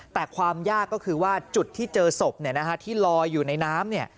แต่ความยากก็คือว่าจุดที่เจอศพที่ลอยอยู่ในน้ำ